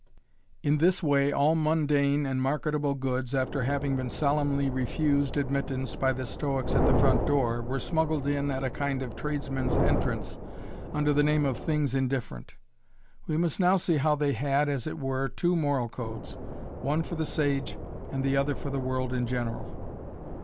In this way all mundane and marketable goods, after having been solemnly refused admittance by the Stoics at the front door, were smuggled in at a kind of tradesman's entrance under the name of things indifferent. We must now see how they had, as it were, two moral codes, one for the sage and the other for the world in general.